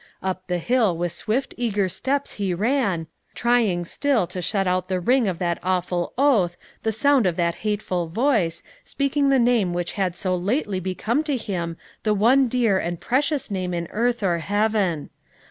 Up the hill with swift, eager steps he ran, trying still to shut out the ring of that awful oath, the sound of that hateful voice, speaking the name which had so lately become to him the one dear and precious name in earth or heaven.